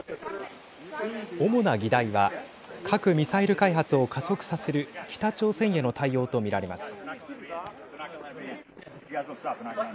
主な議題は核・ミサイル開発を加速させる北朝鮮への対応と見られます。